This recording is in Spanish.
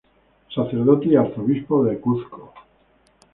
Sacerdote y Arzobispo del Cuzco.